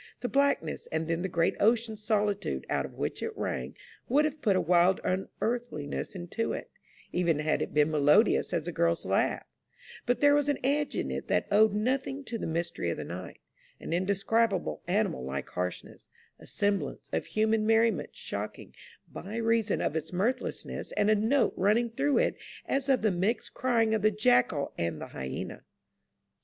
The blackness, and then the great ocean solitude out of which it rang, would have put a wild unearthliness into it, even had it been melodious as a girl's laugh; but there was an edge in it that owed nothing to the mystery of the night — an indescribable animal like harshness, a semblance of human merriment shocking by reason of its mirthlessness and a note run ning through it as of the mixed crying of the jackal and the hyena.